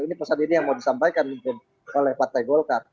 ini pesan ini yang mau disampaikan oleh partai golkar